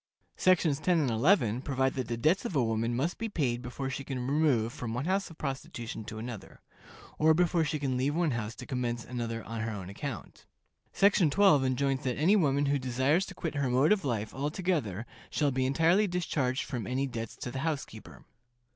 Sections 10 and 11 provide that the debts of a woman must be paid before she can remove from one house of prostitution to another, or before she can leave one house to commence another on her own account. Section 12 enjoins that any woman who desires to quit her mode of life altogether shall be entirely discharged from any debts to the housekeeper.